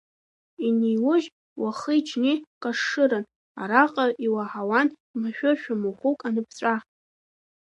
Инеиужь, уахыи-ҽни кашырран араҟа, иуаҳауан машәыршәа махәык аныԥҵәа.